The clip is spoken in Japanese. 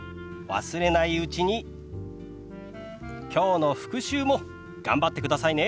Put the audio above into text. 忘れないうちにきょうの復習も頑張ってくださいね。